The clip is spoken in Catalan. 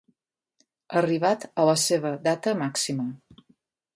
Arribat a la seva data màxima.